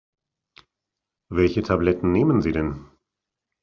Welche Tabletten nehmen Sie denn?